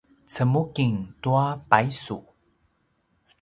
cemuking tua paysu